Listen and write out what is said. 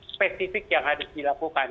spesifik yang harus dilakukan